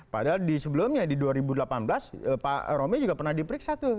padahal di sebelumnya di dua ribu delapan belas pak romi juga pernah diperiksa tuh